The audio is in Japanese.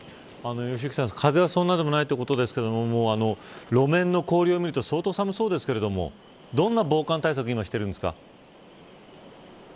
風は、そんなでもないということですが路面の氷を見ると相当寒そうですけれどもどんな防寒対策をしていますか。